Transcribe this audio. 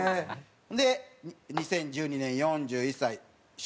で２０１２年４１歳手芸本。